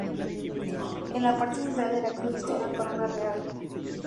En la parte central de la cruz está una corona real.